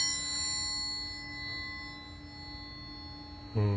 うん。